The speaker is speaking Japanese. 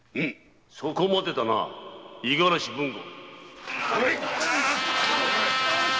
・そこまでだな五十嵐豊後！